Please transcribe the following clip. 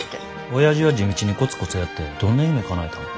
おやじは地道にコツコツやってどんな夢かなえたん。